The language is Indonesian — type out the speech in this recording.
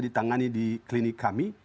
ditangani di klinik kami